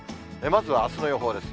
まずはあすの予報です。